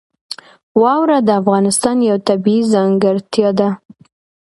واوره د افغانستان یوه طبیعي ځانګړتیا ده.